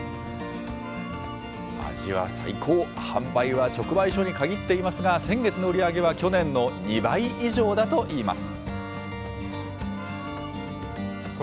味は最高、販売は直売所に限っていますが、先月の売り上げは去年の２倍以上だといいます。